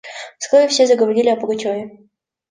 Вскоре все заговорили о Пугачеве.